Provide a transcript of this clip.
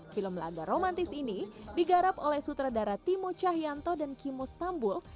film laga romantis ini digarap oleh sutradara timo cahyanto dan kimo stambul